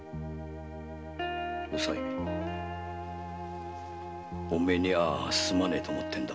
おさいお前にはすまねえと思ってたんだ。